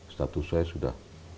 status saya sudah